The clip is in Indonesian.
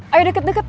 ayo dekat dekat